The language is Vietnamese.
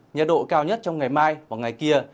nhiệt độ cao nhất trong ngày mai và ngày kia